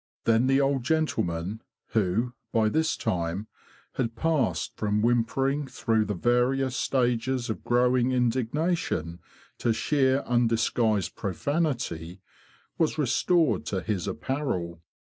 Then the old gentleman—who, by this time, had passed from whimpering through the various stages of growing indignation to sheer undisguised profanity—was restored to his apparel.